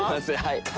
はい。